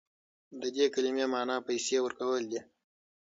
د دې کلمې معنی پیسې ورکول دي.